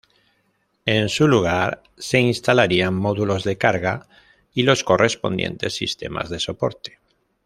En su lugar se instalarían módulos de carga y los correspondientes sistemas de soporte.